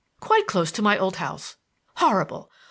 Quite close to my old house. Horrible!